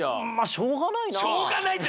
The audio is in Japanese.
まあしょうがないな。